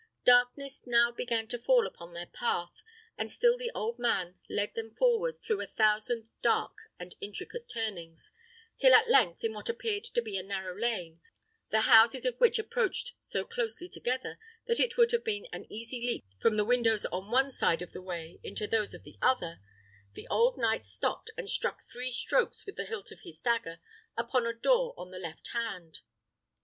Darkness now began to fall upon their path, and still the old man led them forward through a thousand dark and intricate turnings, till at length, in what appeared to be a narrow lane, the houses of which approached so closely together, that it would have been an easy leap from the windows on one side of the way into those of the other, the old knight stopped and struck three strokes with the hilt of his dagger upon a door on the left hand.